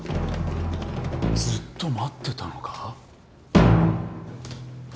ずっと待ってたのか？